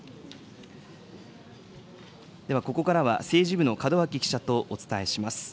ではここからは、政治部の門脇記者とお伝えします。